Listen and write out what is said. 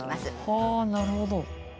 はあなるほど。